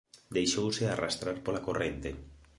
Deixouse arrastrar pola corrente